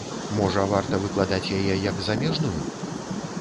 Можа варта выкладаць яе як замежную?